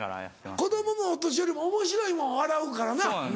子供もお年寄りもおもしろいもんは笑うからな。